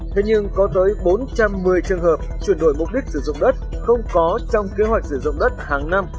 thế nhưng có tới bốn trăm một mươi trường hợp chuyển đổi mục đích sử dụng đất không có trong kế hoạch sử dụng đất hàng năm